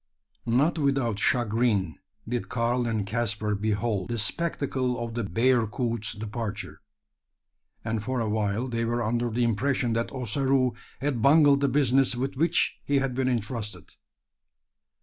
Not without chagrin did Karl and Caspar behold the spectacle of the bearcoot's departure; and for a while they were under the impression that Ossaroo had bungled the business with which he had been entrusted.